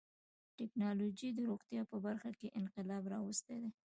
ټکنالوجي د روغتیا په برخه کې انقلاب راوستی دی.